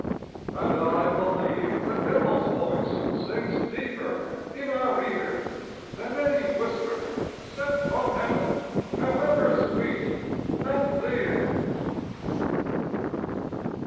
And I believe the devilÆs voice Sinks deeper in our ear Than any whisper sent from Heaven, However sweet and clear.